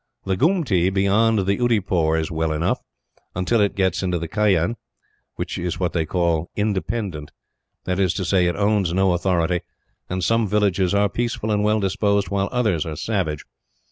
The Goomtee beyond Oudypore is well enough, until it gets into Kaayn, which is what they call independent. That is to say, it owns no authority; and some villages are peaceable and well disposed, while others are savage.